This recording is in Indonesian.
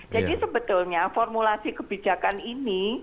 jadi sebetulnya formulasi kebijakan ini